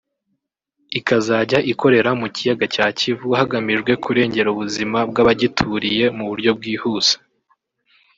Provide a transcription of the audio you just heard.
ikazajya ikorera mu Kiyaga cya Kivu hagamijwe kurengera ubuzima bw’abagituriye mu buryo bwihuse